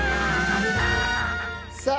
さあ